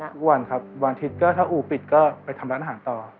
ทุกวันครับวันอาทิตย์ก็ถ้าอู่ปิดก็ไปทำร้านอาหารต่อ